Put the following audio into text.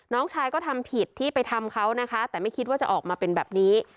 น้องชายก็ทำผิดที่ไปทำเขานะคะแต่ไม่คิดว่าจะออกมาเป็นแบบนี้